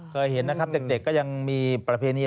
เคยเห็นนะครับเด็กก็ยังมีประเพณี